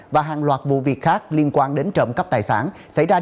và hàng loạt vụ việc khác liên quan đến trộm cắp tài sản xảy ra trên địa bàn của tp hcm